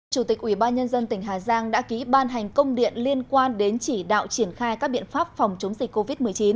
chủ tịch ubnd tỉnh hà giang đã ký ban hành công điện liên quan đến chỉ đạo triển khai các biện pháp phòng chống dịch covid một mươi chín